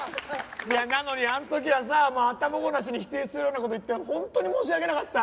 いやなのにあの時はさ頭ごなしに否定するような事言ってホントに申し訳なかった。